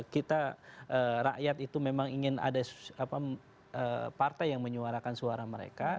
kita rakyat itu memang ingin ada partai yang menyuarakan suara mereka